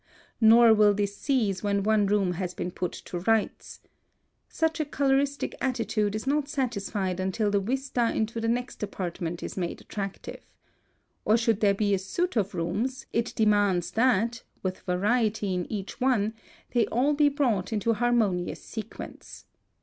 (181) Nor will this cease when one room has been put to rights. Such a coloristic attitude is not satisfied until the vista into the next apartment is made attractive. Or should there be a suite of rooms, it demands that, with variety in each one, they all be brought into harmonious sequence.